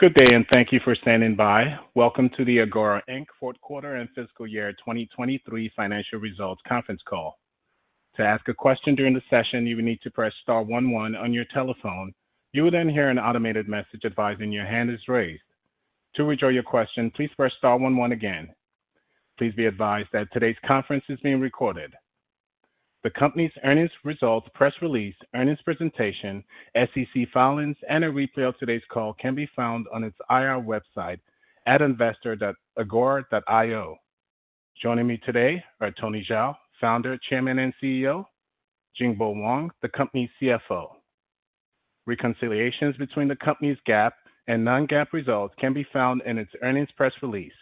Good day, and thank you for standing by. Welcome to the Agora, Inc. fourth quarter and fiscal year 2023 financial results conference call. To ask a question during the session, you will need to press star 11 on your telephone. You will then hear an automated message advising your hand is raised. To withdraw your question, please press star one one again. Please be advised that today's conference is being recorded. The company's earnings results, press release, earnings presentation, SEC filings, and a replay of today's call can be found on its IR website at investor.agora.io. Joining me today are Tony Zhao, founder, chairman, and CEO. Jingbo Wang, the company's CFO. Reconciliations between the company's GAAP and non-GAAP results can be found in its earnings press release.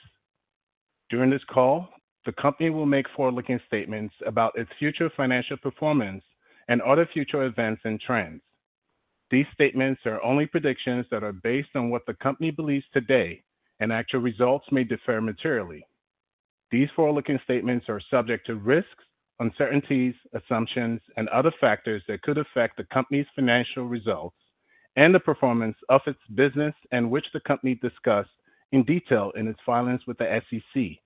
During this call, the company will make forward-looking statements about its future financial performance and other future events and trends. These statements are only predictions that are based on what the company believes today, and actual results may differ materially. These forward-looking statements are subject to risks, uncertainties, assumptions, and other factors that could affect the company's financial results and the performance of its business and which the company discussed in detail in its filings with the SEC,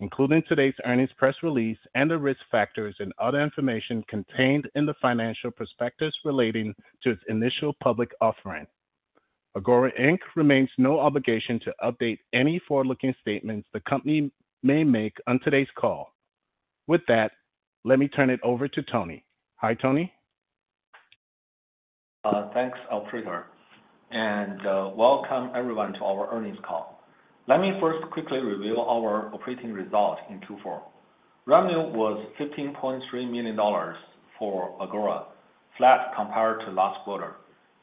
including today's earnings press release and the risk factors and other information contained in the financial prospectus relating to its initial public offering. Agora, Inc. remains no obligation to update any forward-looking statements the company may make on today's call. With that, let me turn it over to Tony. Hi, Tony. Thanks, Alfredo. Welcome everyone to our earnings call. Let me first quickly reveal our operating result in Q4. Revenue was $15.3 million for Agora, flat compared to last quarter,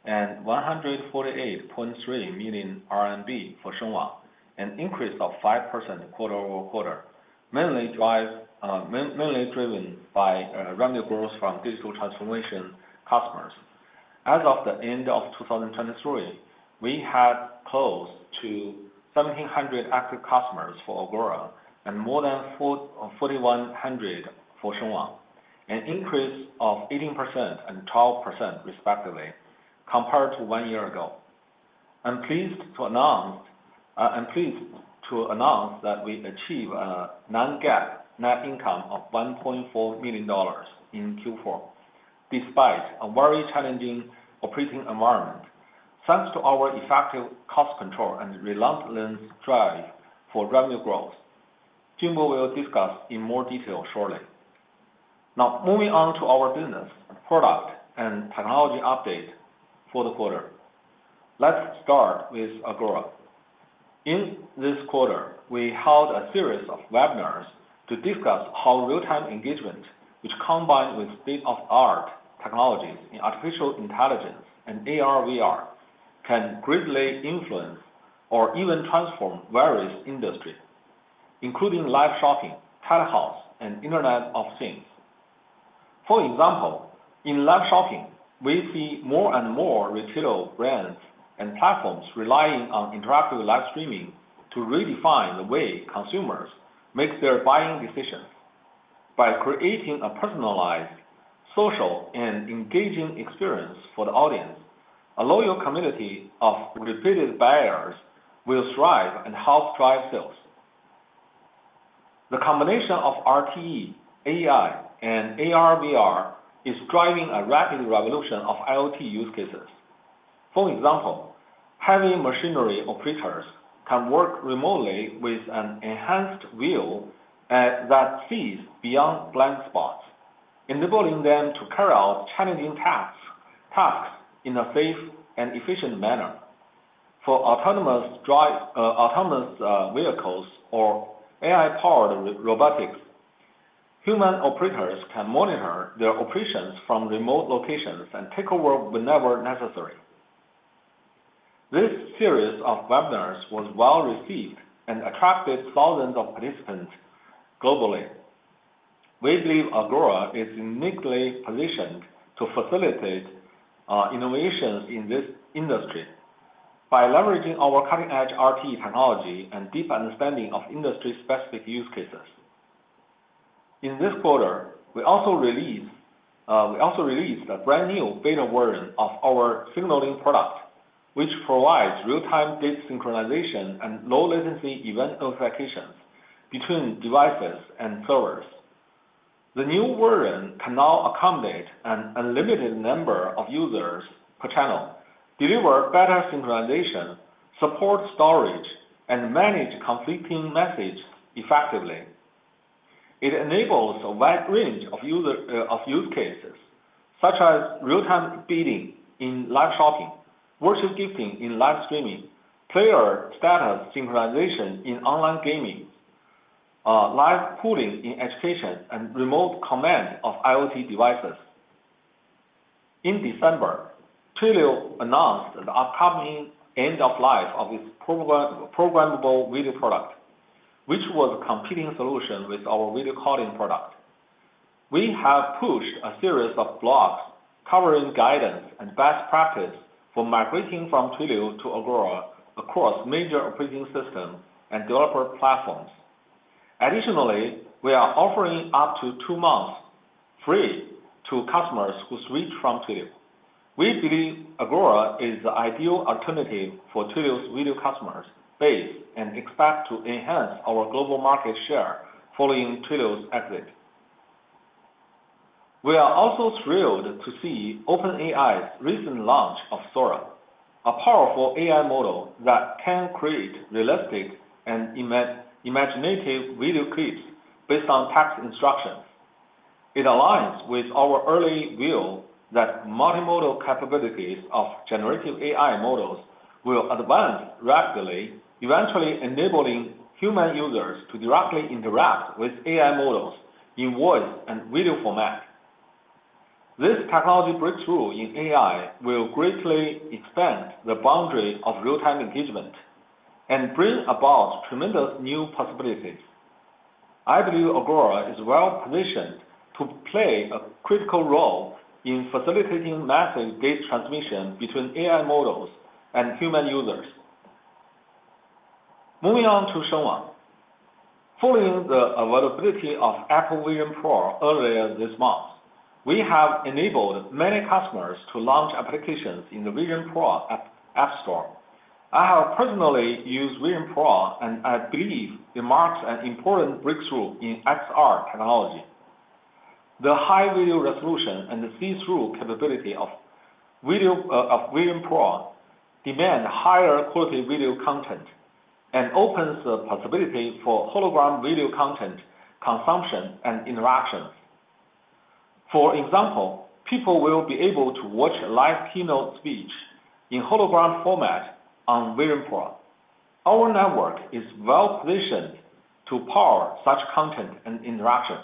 and 148.3 million RMB for Shengwang, an increase of 5% quarter-over-quarter, mainly driven by revenue growth from digital transformation customers. As of the end of 2023, we had close to 1,700 active customers for Agora and more than 4,100 for Shengwang, an increase of 18% and 12% respectively, compared to one year ago. I'm pleased to announce that we achieved a non-GAAP net income of $1.4 million in Q4 despite a very challenging operating environment. Thanks to our effective cost control and relentless drive for revenue growth, Jingbo will discuss in more detail shortly. Now, moving on to our business, product, and technology update for the quarter. Let's start with Agora. In this quarter, we held a series of webinars to discuss how real-time engagement, which combined with state-of-the-art technologies in artificial intelligence and AR/VR, can greatly influence or even transform various industries, including live shopping, telehealth, and Internet of Things. For example, in live shopping, we see more and more retail brands and platforms relying on interactive live streaming to redefine the way consumers make their buying decisions. By creating a personalized, social, and engaging experience for the audience, a loyal community of repeated buyers will thrive and help drive sales. The combination of RTE, AI, and AR/VR is driving a rapid revolution of IoT use cases. For example, heavy machinery operators can work remotely with an enhanced view that sees beyond blind spots, enabling them to carry out challenging tasks in a safe and efficient manner. For autonomous vehicles or AI-powered robotics, human operators can monitor their operations from remote locations and take over whenever necessary. This series of webinars was well received and attracted thousands of participants globally. We believe Agora is uniquely positioned to facilitate innovations in this industry by leveraging our cutting-edge RTE technology and deep understanding of industry-specific use cases. In this quarter, we also released a brand new beta version of our Signaling product, which provides real-time data synchronization and low-latency event notifications between devices and servers. The new version can now accommodate an unlimited number of users per channel, deliver better synchronization, support storage, and manage conflicting messages effectively. It enables a wide range of use cases such as real-time bidding in live shopping, virtual gifting in live streaming, player status synchronization in online gaming, live pooling in education, and remote command of IoT devices. In December, Twilio announced the upcoming end-of-life of its Programmable Video product, which was a competing solution with our Video Calling product. We have pushed a series of blogs covering guidance and best practice for migrating from Twilio to Agora across major operating systems and developer platforms. Additionally, we are offering up to two months free to customers who switch from Twilio. We believe Agora is the ideal alternative for Twilio's video customers base and expect to enhance our global market share following Twilio's exit. We are also thrilled to see OpenAI's recent launch of Sora, a powerful AI model that can create realistic and imaginative video clips based on text instructions. It aligns with our early view that multimodal capabilities of generative AI models will advance rapidly, eventually enabling human users to directly interact with AI models in voice and video format. This technology breakthrough in AI will greatly expand the boundary of real-time engagement and bring about tremendous new possibilities. I believe Agora is well positioned to play a critical role in facilitating massive data transmission between AI models and human users. Moving on to Shengwang. Following the availability of Apple Vision Pro earlier this month, we have enabled many customers to launch applications in the Vision Pro App Store. I have personally used Vision Pro, and I believe it marks an important breakthrough in XR technology. The high video resolution and the see-through capability of Vision Pro demand higher quality video content and opens the possibility for hologram video content consumption and interactions. For example, people will be able to watch a live keynote speech in hologram format on Vision Pro. Our network is well positioned to power such content and interaction.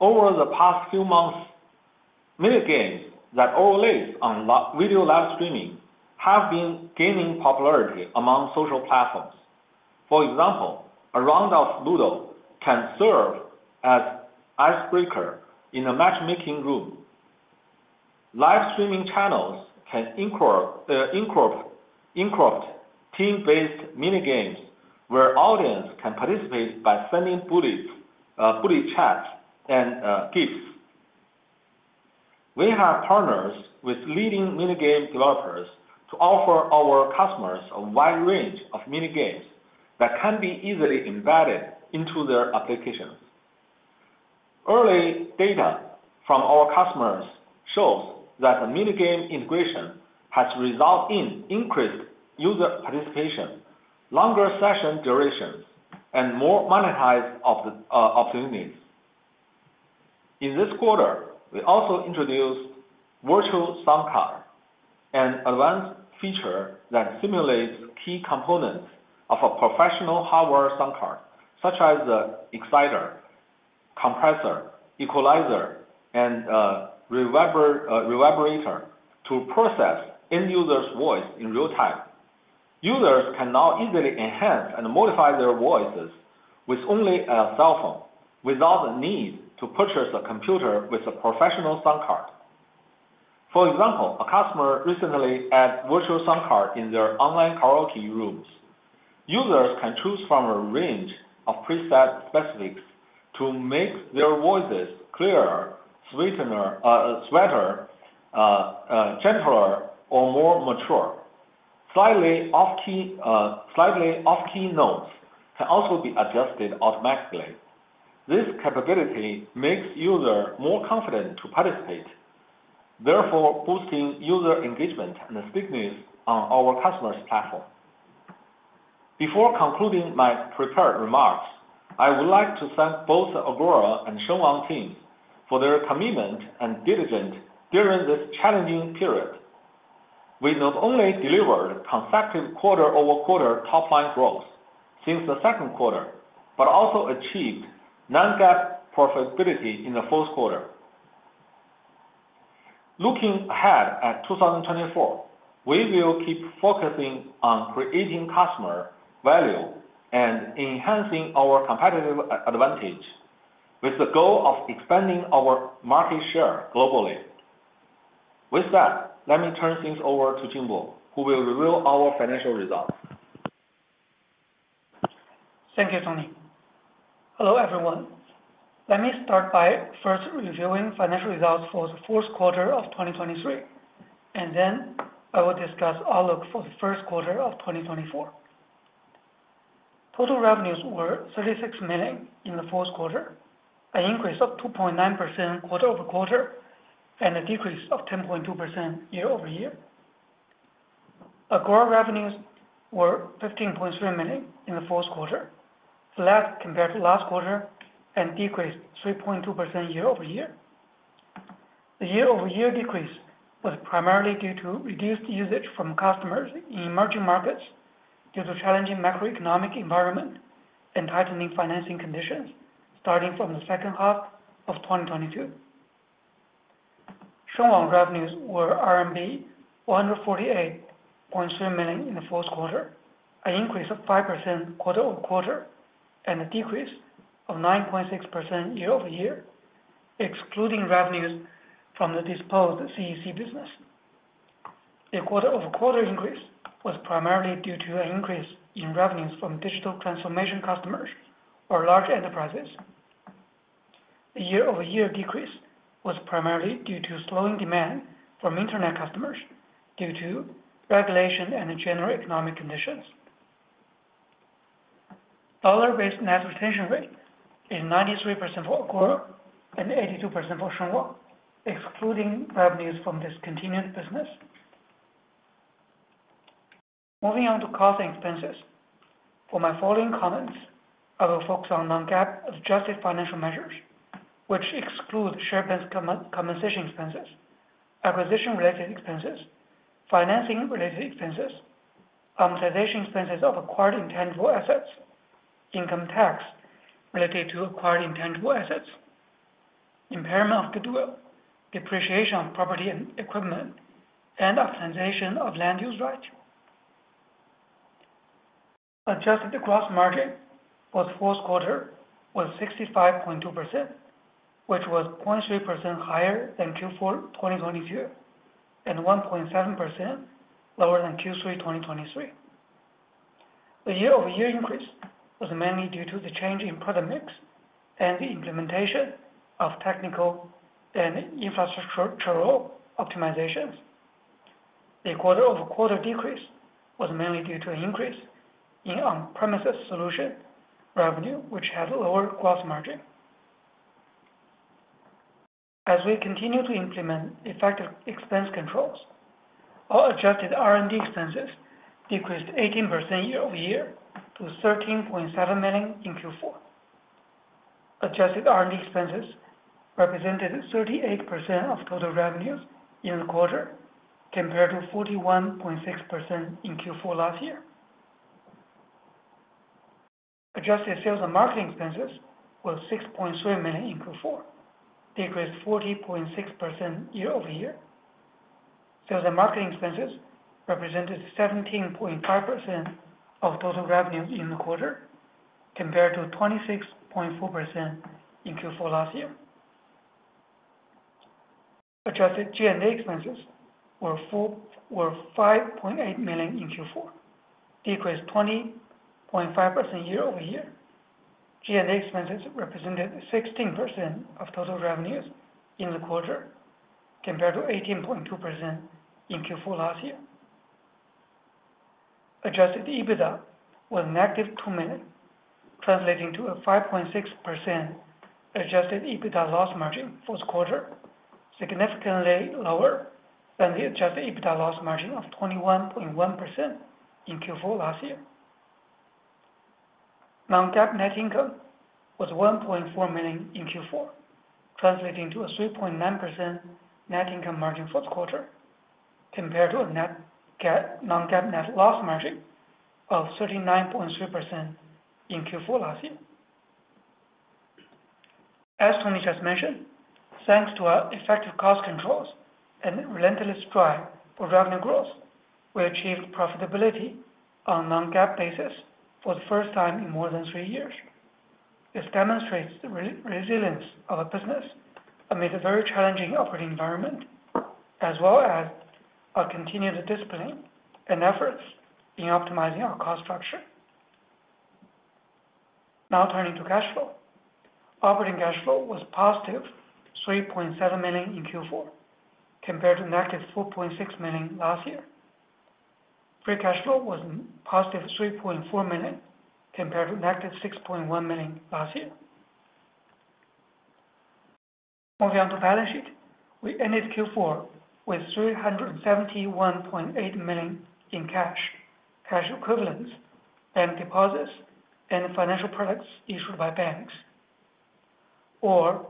Over the past few months, many games that overlay on video live streaming have been gaining popularity among social platforms. For example, a round of Ludo can serve as an icebreaker in a matchmaking room. Live streaming channels can incorporate team-based mini-games where audiences can participate by sending bullet chats and gifts. We have partners with leading mini-game developers to offer our customers a wide range of mini-games that can be easily embedded into their applications. Early data from our customers shows that the mini-game integration has resulted in increased user participation, longer session durations, and more monetized opportunities. In this quarter, we also introduced Virtual Sound Card, an advanced feature that simulates key components of a professional hardware sound card such as the exciter, compressor, equalizer, and reverberator to process end-users' voice in real time. Users can now easily enhance and modify their voices with only a cell phone without the need to purchase a computer with a professional sound card. For example, a customer recently added Virtual Sound Card in their online karaoke rooms. Users can choose from a range of preset specifics to make their voices clearer, sweeter, gentler, or more mature. Slightly off-key notes can also be adjusted automatically. This capability makes users more confident to participate, therefore boosting user engagement and stickiness on our customers' platform. Before concluding my prepared remarks, I would like to thank both Agora and Shengwang teams for their commitment and diligence during this challenging period. We not only delivered consecutive quarter-over-quarter top-line growth since the second quarter but also achieved non-GAAP profitability in the fourth quarter. Looking ahead at 2024, we will keep focusing on creating customer value and enhancing our competitive advantage with the goal of expanding our market share globally. With that, let me turn things over to Jingbo, who will reveal our financial results. Thank you, Tony. Hello, everyone. Let me start by first reviewing financial results for the fourth quarter of 2023, and then I will discuss our look for the first quarter of 2024. Total revenues were $36 million in the fourth quarter, an increase of 2.9% quarter-over-quarter, and a decrease of 10.2% year-over-year. Agora revenues were $15.3 million in the fourth quarter, flat compared to last quarter, and decreased 3.2% year-over-year. The year-over-year decrease was primarily due to reduced usage from customers in emerging markets due to challenging macroeconomic environment and tightening financing conditions starting from the second half of 2022. Shengwang revenues were RMB 148.3 million in the fourth quarter, an increase of 5% quarter-over-quarter, and a decrease of 9.6% year-over-year, excluding revenues from the disposed CEC business. A quarter-over-quarter increase was primarily due to an increase in revenues from digital transformation customers or large enterprises. The year-over-year decrease was primarily due to slowing demand from internet customers due to regulation and general economic conditions. Dollar-based net retention rate is 93% for Agora and 82% for Shengwang, excluding revenues from discontinued business. Moving on to costs and expenses. For my following comments, I will focus on non-GAAP adjusted financial measures, which exclude share-based compensation expenses, acquisition-related expenses, financing-related expenses, amortization expenses of acquired intangible assets, income tax related to acquired intangible assets, impairment of goodwill, depreciation of property and equipment, and optimization of land use rights. Adjusted gross margin for the fourth quarter was 65.2%, which was 0.3% higher than Q4 2022 and 1.7% lower than Q3 2023. The year-over-year increase was mainly due to the change in product mix and the implementation of technical and infrastructural optimizations. The quarter-over-quarter decrease was mainly due to an increase in on-premises solution revenue, which had lower gross margin. As we continue to implement effective expense controls, our adjusted R&D expenses decreased 18% year-over-year to $13.7 million in Q4. Adjusted R&D expenses represented 38% of total revenues in the quarter compared to 41.6% in Q4 last year. Adjusted sales and marketing expenses were $6.3 million in Q4, decreased 40.6% year-over-year. Sales and marketing expenses represented 17.5% of total revenues in the quarter compared to 26.4% in Q4 last year. Adjusted G&A expenses were $5.8 million in Q4, decreased 20.5% year-over-year. G&A expenses represented 16% of total revenues in the quarter compared to 18.2% in Q4 last year. Adjusted EBITDA was -$2 million, translating to a 5.6% adjusted EBITDA loss margin for the quarter, significantly lower than the adjusted EBITDA loss margin of 21.1% in Q4 last year. Non-GAAP net income was $1.4 million in Q4, translating to a 3.9% net income margin for the quarter compared to a non-GAAP net loss margin of 39.3% in Q4 last year. As Tony just mentioned, thanks to our effective cost controls and relentless drive for revenue growth, we achieved profitability on a non-GAAP basis for the first time in more than three years. This demonstrates the resilience of a business amid a very challenging operating environment as well as our continued discipline and efforts in optimizing our cost structure. Now turning to cash flow. Operating cash flow was +$3.7 million in Q4 compared to -$4.6 million last year. Free cash flow was +$3.4 million compared to -$6.1 million last year. Moving on to balance sheet, we ended Q4 with $371.8 million in cash, cash equivalents, bank deposits, and financial products issued by banks, or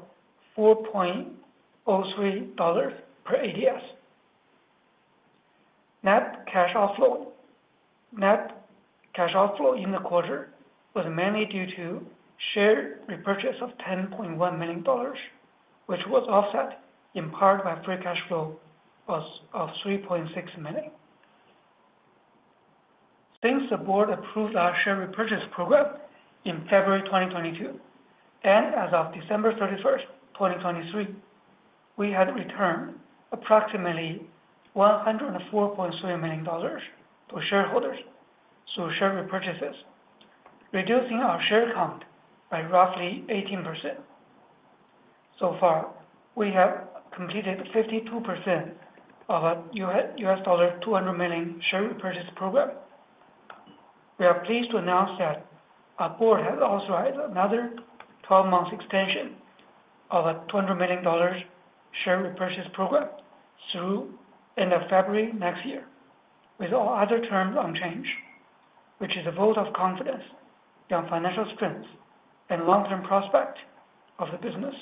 $4.03 per ADS. Net cash outflow in the quarter was mainly due to share repurchase of $10.1 million, which was offset in part by free cash flow of $3.6 million. Since the board approved our share repurchase program in February 2022 and as of December 31st, 2023, we had returned approximately $104.3 million to shareholders through share repurchases, reducing our share count by roughly 18%. So far, we have completed 52% of a $200 million share repurchase program. We are pleased to announce that our board has authorized another 12-month extension of a $200 million share repurchase program through end of February next year with all other terms unchanged, which is a vote of confidence in financial strength and long-term prospect of the business.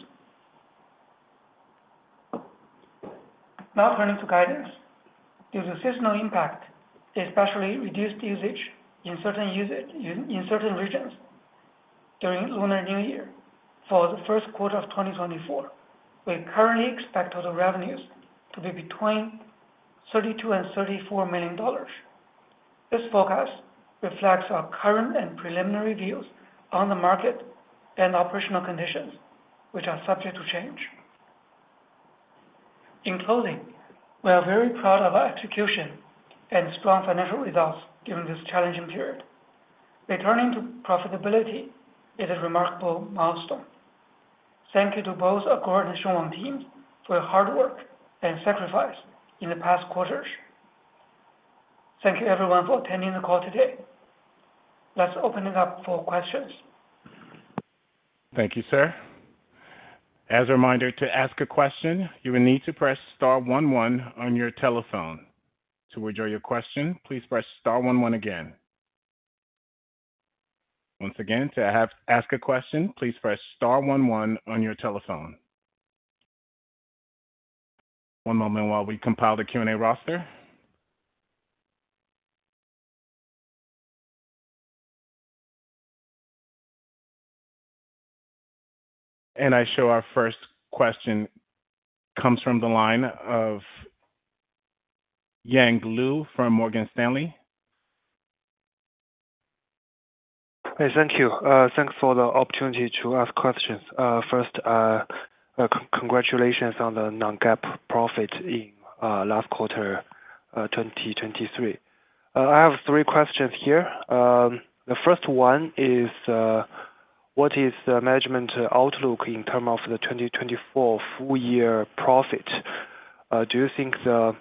Now turning to guidance. Due to seasonal impact, especially reduced usage in certain regions during Lunar New Year for the first quarter of 2024, we currently expect total revenues to be between $32 million-$34 million. This forecast reflects our current and preliminary views on the market and operational conditions, which are subject to change. In closing, we are very proud of our execution and strong financial results during this challenging period. Returning to profitability is a remarkable milestone. Thank you to both Agora and Shengwang teams for your hard work and sacrifice in the past quarters. Thank you, everyone, for attending the call today. Let's open it up for questions. Thank you, sir. As a reminder, to ask a question, you will need to press star 11 on your telephone. To read your question, please press star one one again. Once again, to ask a question, please press star one one on your telephone. One moment while we compile the Q&A roster. And now our first question comes from the line of Yang Liu from Morgan Stanley. Thank you. Thanks for the opportunity to ask questions. First, congratulations on the non-GAAP profit in last quarter 2023. I have three questions here. The first one is, what is the management outlook in terms of the 2024 full-year profit? Do you think the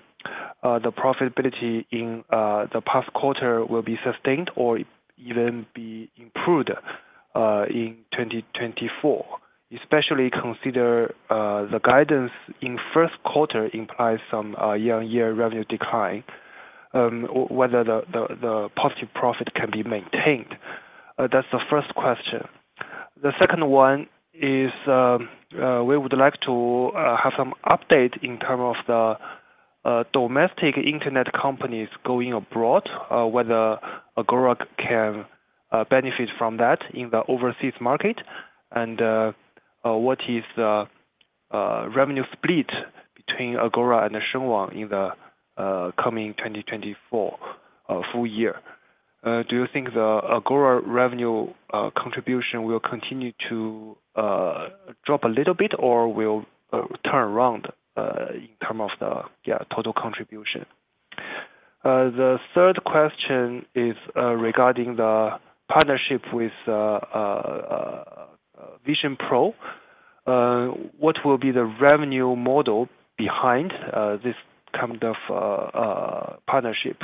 profitability in the past quarter will be sustained or even be improved in 2024, especially considering the guidance in first quarter implies some year-on-year revenue decline, whether the positive profit can be maintained? That's the first question. The second one is, we would like to have some update in terms of the domestic internet companies going abroad, whether Agora can benefit from that in the overseas market, and what is the revenue split between Agora and Shengwang in the coming 2024 full year? Do you think the Agora revenue contribution will continue to drop a little bit or will turn around in terms of the total contribution? The third question is regarding the partnership with Vision Pro. What will be the revenue model behind this kind of partnership?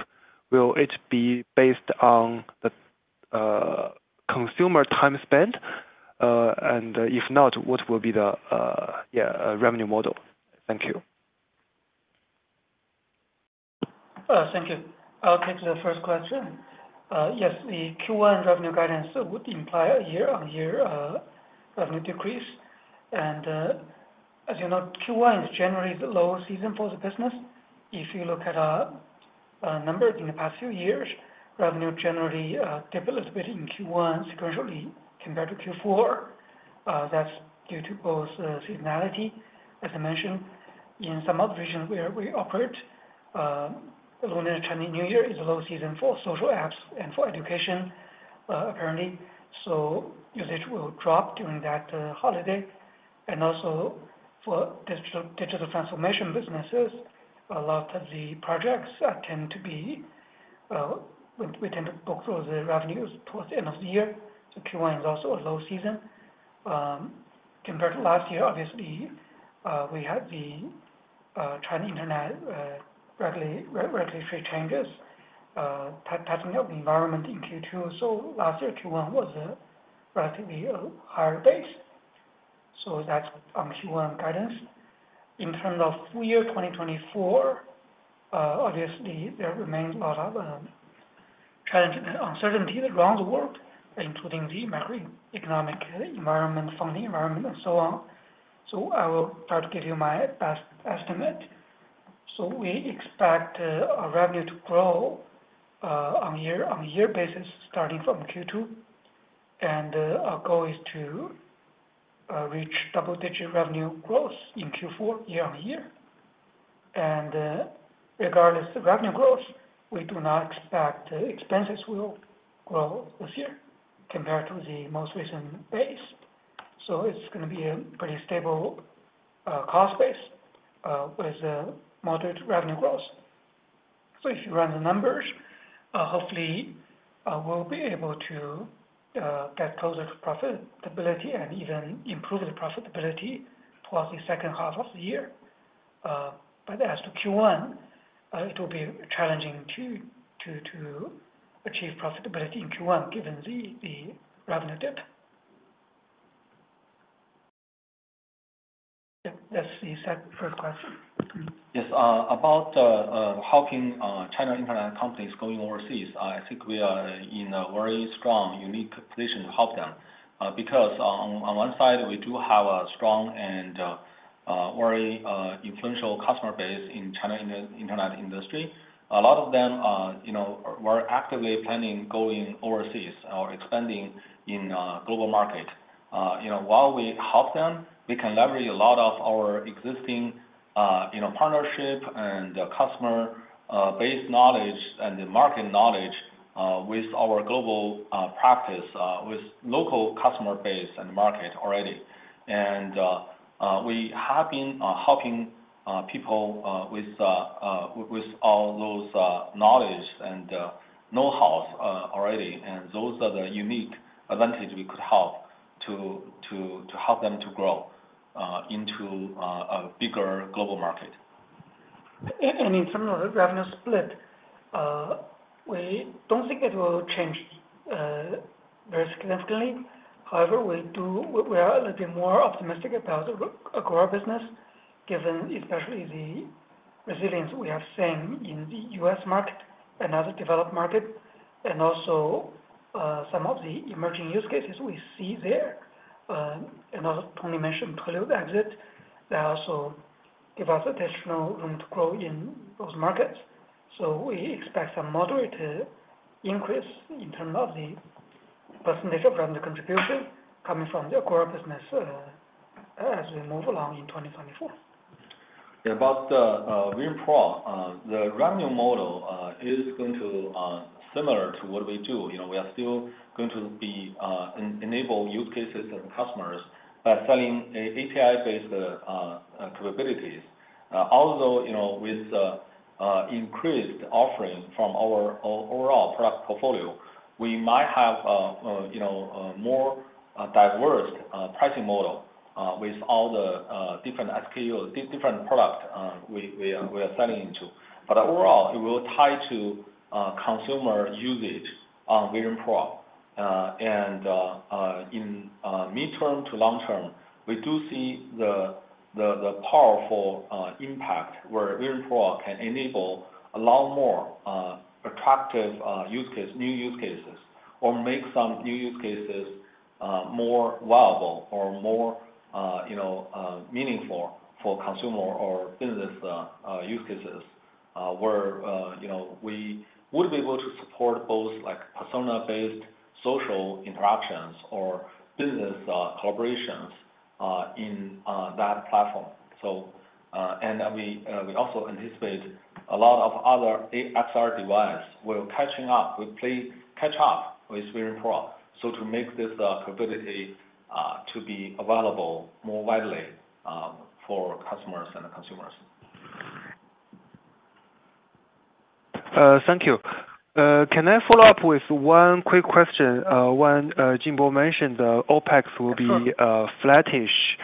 Will it be based on the consumer time spent, and if not, what will be the revenue model? Thank you. Thank you. I'll take the first question. Yes, the Q1 revenue guidance would imply a year-on-year revenue decrease. As you know, Q1 is generally the lowest season for the business. If you look at our numbers in the past few years, revenue generally dipped a little bit in Q1 sequentially compared to Q4. That's due to both seasonality. As I mentioned, in some other regions where we operate, Lunar Chinese New Year is a low season for social apps and for education, apparently. So usage will drop during that holiday. Also for digital transformation businesses, a lot of the projects, we tend to book the revenues towards the end of the year. So Q1 is also a low season. Compared to last year, obviously, we had the China internet regulatory changes touching up the environment in Q2. So last year, Q1 was relatively a higher base. So that's on Q1 guidance. In terms of full year 2024, obviously, there remains a lot of challenge and uncertainty around the world, including the macroeconomic environment, funding environment, and so on. So I will try to give you my best estimate. So we expect our revenue to grow on a year-over-year basis starting from Q2. And our goal is to reach double-digit revenue growth in Q4 year-over-year. And regardless of revenue growth, we do not expect expenses will grow this year compared to the most recent base. So it's going to be a pretty stable cost base with moderate revenue growth. So if you run the numbers, hopefully, we'll be able to get closer to profitability and even improve the profitability towards the second half of the year. But as to Q1, it will be challenging to achieve profitability in Q1 given the revenue dip. Yep, that's the first question. Yes. About helping China internet companies going overseas, I think we are in a very strong, unique position to help them because on one side, we do have a strong and very influential customer base in China internet industry. A lot of them are actively planning going overseas or expanding in the global market. While we help them, we can leverage a lot of our existing partnership and customer-based knowledge and the market knowledge with our global practice, with local customer base and market already. We have been helping people with all those knowledge and know-hows already. Those are the unique advantage we could help to help them to grow into a bigger global market. In terms of revenue split, we don't think it will change very significantly. However, we are a little bit more optimistic about the Agora business given, especially, the resilience we have seen in the U.S. market, another developed market, and also some of the emerging use cases we see there. As Tony mentioned, Twilio's exit, that also gives us additional room to grow in those markets. So we expect some moderate increase in terms of the percentage of revenue contribution coming from the Agora business as we move along in 2024. Yeah. About Vision Pro, the revenue model is going to be similar to what we do. We are still going to enable use cases and customers by selling API-based capabilities. Although with increased offering from our overall product portfolio, we might have a more diverse pricing model with all the different SKUs, different products we are selling into. But overall, it will tie to consumer usage on Vision Pro. And in mid-term to long-term, we do see the powerful impact where Vision Pro can enable a lot more attractive new use cases or make some new use cases more viable or more meaningful for consumer or business use cases where we would be able to support both persona-based social interactions or business collaborations in that platform. We also anticipate a lot of other XR devices will catch up with Vision Pro so to make this capability to be available more widely for customers and consumers. Thank you. Can I follow up with one quick question? When Jingbo mentioned the OpEx will be flattish,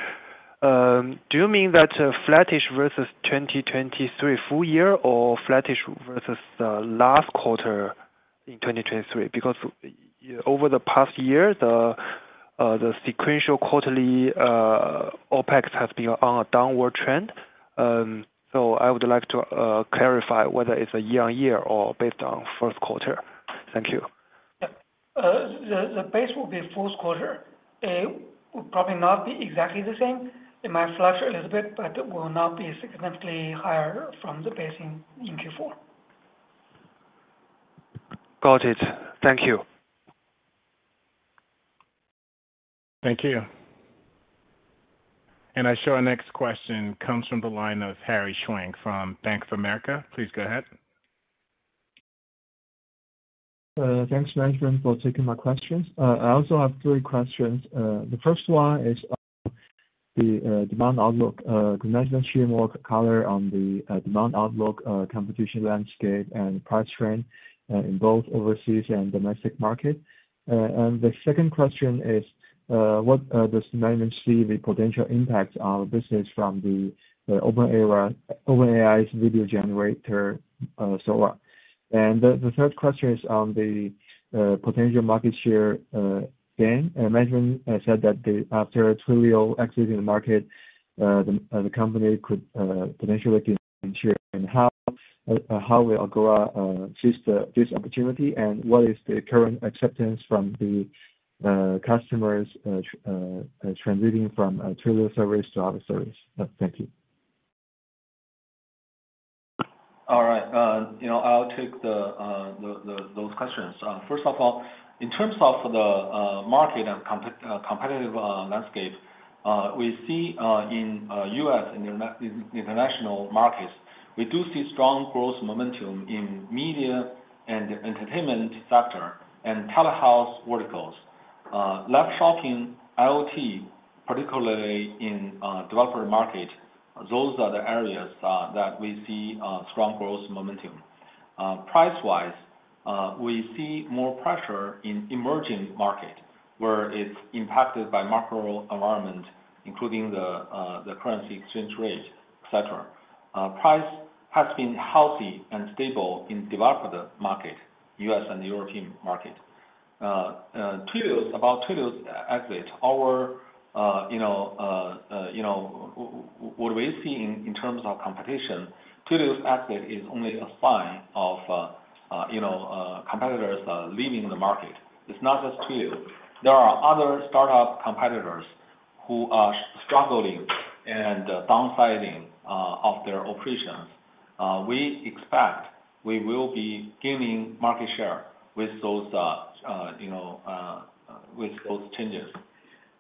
do you mean that flattish versus 2023 full year or flattish versus the last quarter in 2023? Because over the past year, the sequential quarterly OpEx has been on a downward trend. So I would like to clarify whether it's a year-on-year or based on first quarter. Thank you. Yeah. The base will be first quarter. It will probably not be exactly the same. It might fluctuate a little bit, but it will not be significantly higher from the base in Q4. Got it. Thank you. Thank you. Our next question comes from the line of Harry Zhuang from Bank of America. Please go ahead. Thanks, management, for taking my questions. I also have three questions. The first one is on the demand outlook, the management's framework color on the demand outlook, competition landscape, and price frame in both overseas and domestic market. The second question is, what does the management see the potential impact on the business from OpenAI's Sora so far? The third question is on the potential market share gain. Management said that after Twilio exiting the market, the company could potentially gain share. How will Agora seize this opportunity, and what is the current acceptance from the customers transitioning from Twilio service to other services? Thank you. All right. I'll take those questions. First of all, in terms of the market and competitive landscape, we see in the U.S. and international markets, we do see strong growth momentum in media and entertainment sector and telehealth verticals. Live shopping, IoT, particularly in the developer market, those are the areas that we see strong growth momentum. Price-wise, we see more pressure in emerging markets where it's impacted by macro environment, including the currency exchange rate, etc. Price has been healthy and stable in the developer market, U.S. and European market. About Twilio's exit, what do we see in terms of competition? Twilio's exit is only a sign of competitors leaving the market. It's not just Twilio. There are other startup competitors who are struggling and downsizing of their operations. We expect we will be gaining market share with those changes.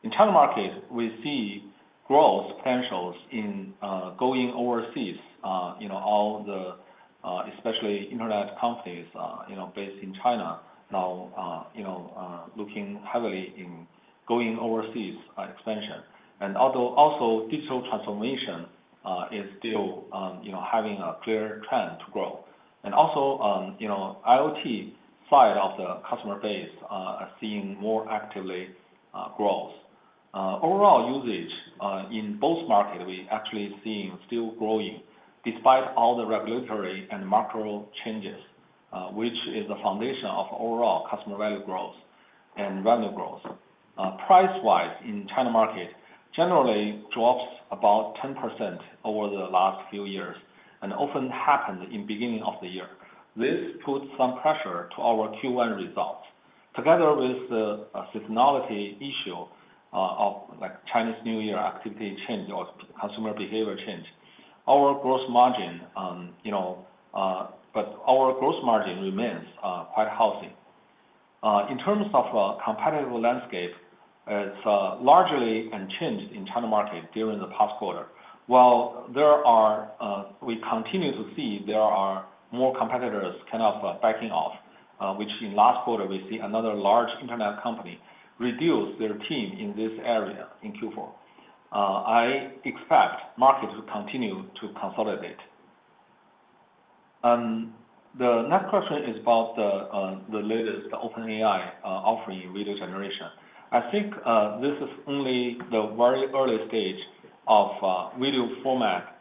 In China market, we see growth potentials in going overseas. All the, especially, internet companies based in China now looking heavily in going overseas expansion. And also, digital transformation is still having a clear trend to grow. And also, IoT side of the customer base is seeing more actively growth. Overall usage in both markets, we're actually seeing still growing despite all the regulatory and macro changes, which is the foundation of overall customer value growth and revenue growth. Price-wise, in China market, generally drops about 10% over the last few years and often happened in the beginning of the year. This puts some pressure to our Q1 results. Together with the seasonality issue of Chinese New Year activity change or consumer behavior change, our growth margin but our growth margin remains quite healthy. In terms of a competitive landscape, it's largely unchanged in China market during the past quarter. While we continue to see there are more competitors kind of backing off, which in last quarter, we see another large internet company reduce their team in this area in Q4, I expect the market to continue to consolidate. The next question is about the latest OpenAI offering in video generation. I think this is only the very early stage of video format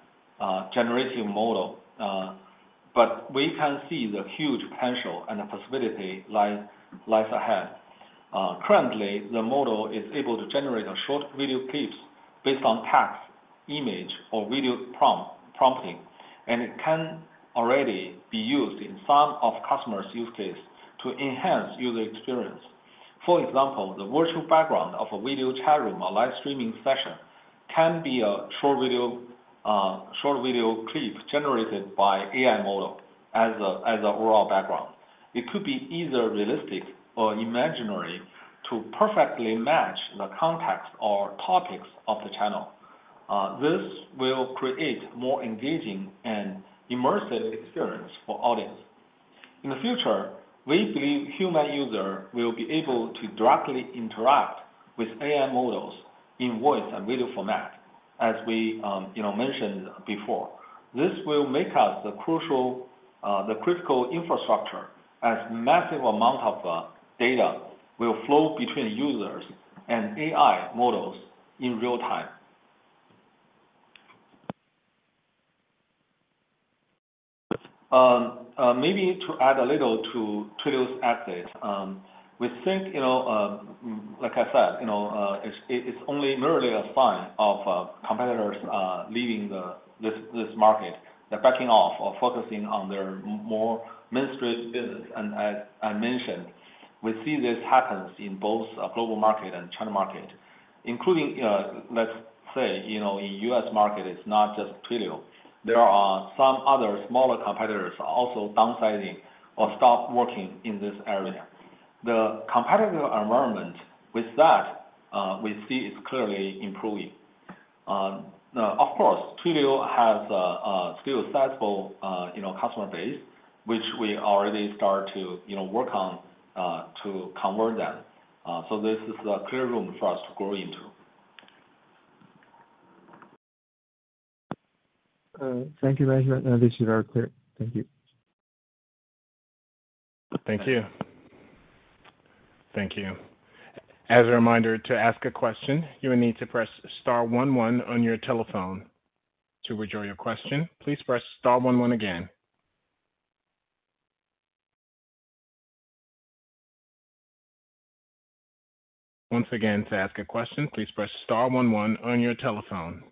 generative model, but we can see the huge potential and the possibility lies ahead. Currently, the model is able to generate short video clips based on text, image, or video prompting. It can already be used in some of customers' use cases to enhance user experience. For example, the virtual background of a video chat room or live streaming session can be a short video clip generated by AI model as an overall background. It could be either realistic or imaginary to perfectly match the context or topics of the channel. This will create a more engaging and immersive experience for audiences. In the future, we believe human users will be able to directly interact with AI models in voice and video format, as we mentioned before. This will make us the critical infrastructure as a massive amount of data will flow between users and AI models in real time. Maybe to add a little to Twilio's exit, we think, like I said, it's only merely a sign of competitors leaving this market, they're backing off or focusing on their more mainstream business. As I mentioned, we see this happens in both the global market and China market, including, let's say, in the U.S. market, it's not just Twilio. There are some other smaller competitors also downsizing or stopped working in this area. The competitive environment with that, we see is clearly improving. Of course, Twilio has a still sizable customer base, which we already started to work on to convert them. So this is a clear room for us to grow into. Thank you, management. This is very clear. Thank you. Thank you. Thank you. As a reminder, to ask a question, you will need to press starone one on your telephone. To rejoin your question, please press star one one again. Once again, to ask a question, please press star one one on your telephone.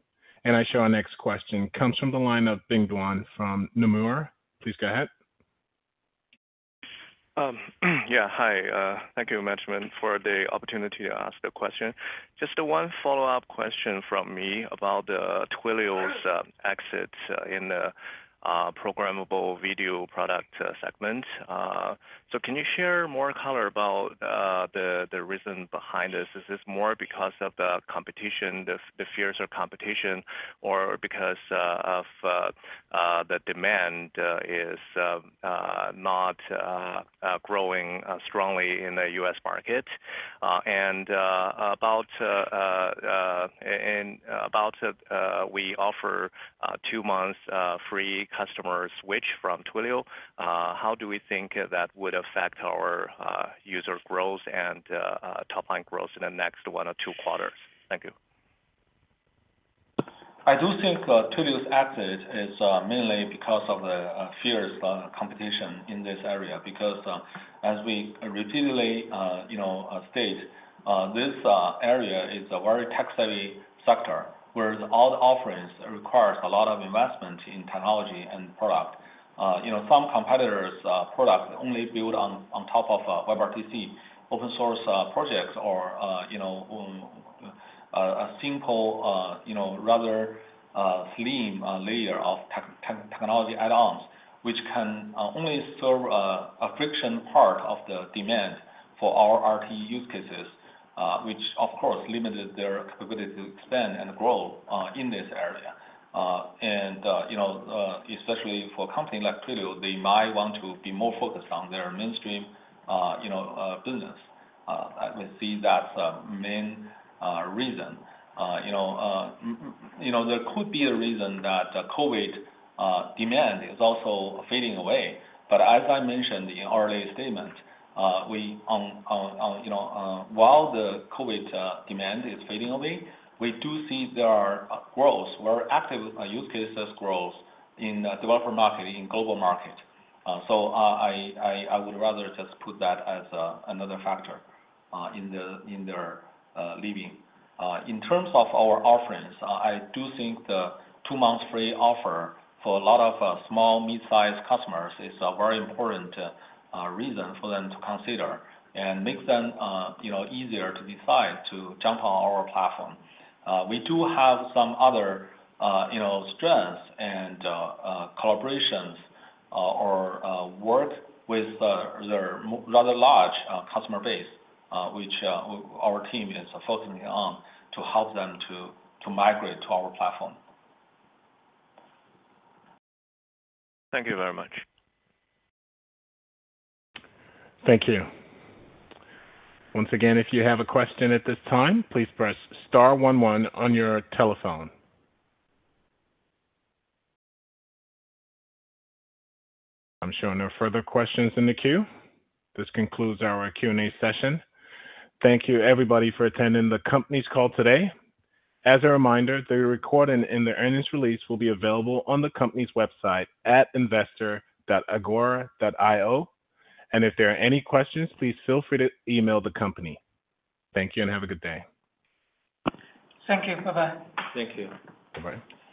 And I show our next question comes from the line of Bing Duan from Nomura. Please go ahead. Yeah. Hi. Thank you, management, for the opportunity to ask the question. Just one follow-up question from me about Twilio's exit in the Programmable Video product segment. So can you share more color about the reason behind this? Is this more because of the fears of competition or because the demand is not growing strongly in the U.S. market? And about we offer two-months free customer switch from Twilio, how do we think that would affect our user growth and top-line growth in the next one or two quarters? Thank you. I do think Twilio's exit is mainly because of the fears of competition in this area because, as we repeatedly state, this area is a very tech-savvy sector where all the offerings require a lot of investment in technology and product. Some competitors' products only build on top of WebRTC open-source projects or a simple, rather slim layer of technology add-ons, which can only serve a fraction part of the demand for our RT use cases, which, of course, limited their capability to expand and grow in this area. And especially for a company like Twilio, they might want to be more focused on their mainstream business. We see that's the main reason. There could be a reason that COVID demand is also fading away. But as I mentioned in our earlier statement, while the COVID demand is fading away, we do see there are growths, very active use cases growth in the developer market, in the global market. So I would rather just put that as another factor in their leaving. In terms of our offerings, I do think the two-months free offer for a lot of small, mid-sized customers is a very important reason for them to consider and makes them easier to decide to jump on our platform. We do have some other strengths and collaborations or work with their rather large customer base, which our team is focusing on to help them to migrate to our platform. Thank you very much. Thank you. Once again, if you have a question at this time, please press star one one on your telephone. I'm showing no further questions in the queue. This concludes our Q&A session. Thank you, everybody, for attending the company's call today. As a reminder, the recording and the earnings release will be available on the company's website at investor.agora.io. If there are any questions, please feel free to email the company. Thank you and have a good day. Thank you. Bye-bye. Thank you. Bye-bye.